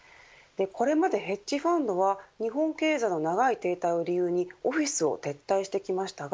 これまでヘッジファンドは日本経済の長い停滞を理由にオフィスを撤退してきましたが